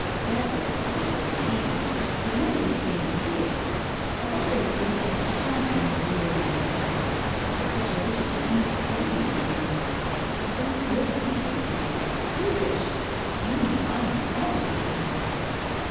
' Dad looks awfully seedy, but none of you seem to see it. I wonder if it is Mr. Johnson he is wearying for? The situation seems strained somehow? I don't feel comfortable here. Spookishl Amy's eyes agitate me